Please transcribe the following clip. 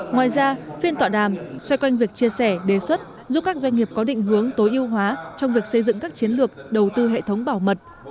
ngoài ra phiên tọa đàm xoay quanh việc chia sẻ đề xuất giúp các doanh nghiệp có định hướng tối ưu hóa trong việc xây dựng các chiến lược đầu tư hệ thống bảo mật